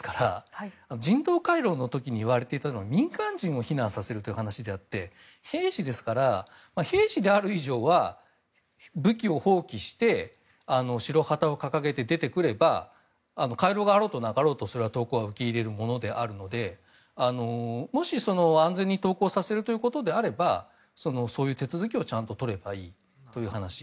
ただ、兵士ですから人道回廊の時に言われていたのは民間人を避難させるという話で兵士ですから兵士である以上は武器を放棄して白旗を掲げて出てくれば回廊があろうとなかろうとそれは投降は受け入れるものであるのでもし安全に投降させるということであればそういう手続きをちゃんと取ればいいという話。